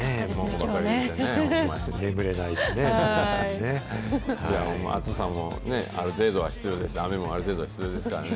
ほんま、暑さもある程度は必要ですし、雨もある程度必要ですからね。